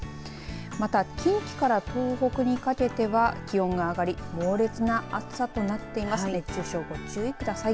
また近畿から東北にかけては気温が上がり猛烈な暑さとなっていますので熱中症にご注意ください。